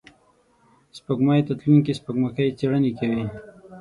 سپوږمۍ ته تلونکي سپوږمکۍ څېړنې کوي